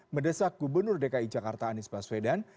mendesak gubernur dki jakarta anies baswedan